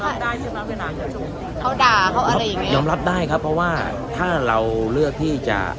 เขาด่าเขาอะไรอย่างเงี้ยยอมรับได้ครับเพราะว่าถ้าเราเลือกที่จะ